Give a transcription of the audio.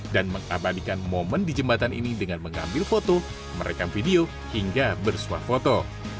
mengabadikan momen di jembatan ini dengan mengambil foto merekam video hingga bersuah foto